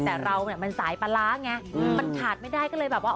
แต่เราเนี่ยมันสายปลาร้าไงมันขาดไม่ได้ก็เลยแบบว่า